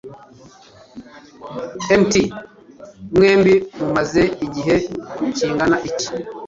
m] [t] mwembi mumaze igihe kingana iki